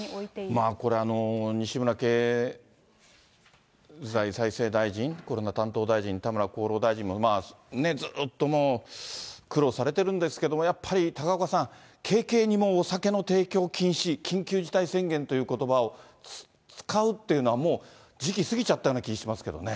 まあこれ、西村経済再生大臣、コロナ担当大臣、田村厚労大臣もずっともう苦労されてるんですけれども、やっぱり高岡さん、軽々にお酒の提供を禁止、緊急事態宣言ということばを使うっていうのは、もう時期過ぎちゃったような気がしますけどね。